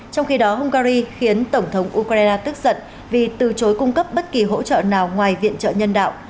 trong khi đó hungary khiến tổng thống ukraine tức giận vì từ chối cung cấp bất kỳ hỗ trợ nào ngoài viện trợ nhân đạo